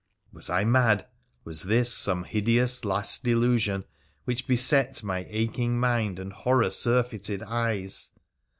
Was I mad ? Was this some hideous last delusion which beset my aching mind and horror surfeited eyes